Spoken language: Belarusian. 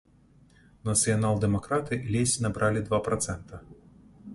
Нацыянал-дэмакраты ледзь набралі два працэнта.